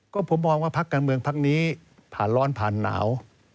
ก็ผมมองว่าพักการเมืองพักนี้ผ่านร้อนผ่านหนาว